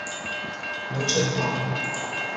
مچ پا